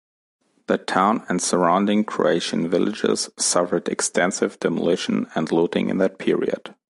The town and surrounding Croatian villages suffered extensive demolition and looting in that period.